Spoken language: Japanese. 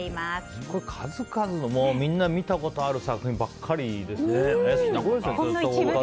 すごい、数々のみんな見たことあるほんの一部ですけどね。